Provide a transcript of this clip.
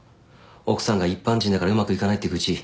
奥さんが一般人だからうまくいかないって愚痴。